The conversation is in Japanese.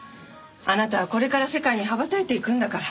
あなたはこれから世界に羽ばたいていくんだから。